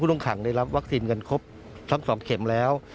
ต้องขังได้รับวัคซีนกันครบทั้ง๒เข็มแล้ว